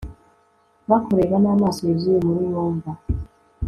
bakureba n'amaso yuzuye umururumba